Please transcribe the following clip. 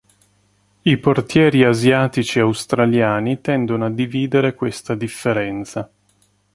I portieri asiatici e australiani tendono a dividere questa differenza.